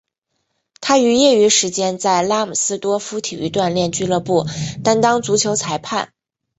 他于业余时间在拉姆斯多夫体育锻炼俱乐部担当足球裁判。